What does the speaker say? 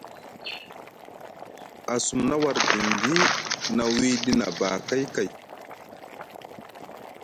A sumna war diŋgi na wiiɗi nʼabakay kay.